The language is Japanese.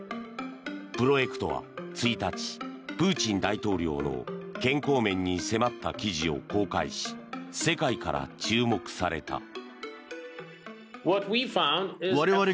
プロエクトは１日プーチン大統領の健康面に迫った記事を公開し世界から注目された。